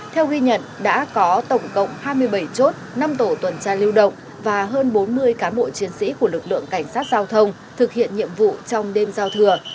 theo ghi nhận đã có tổng cộng hai mươi bảy chốt năm tổ tuần tra lưu động và hơn bốn mươi cán bộ chiến sĩ của lực lượng cảnh sát giao thông thực hiện nhiệm vụ trong đêm giao thừa